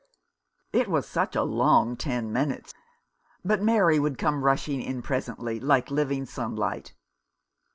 It was such a long ten minutes ; but Mary would come rushing in presently, like living sun light.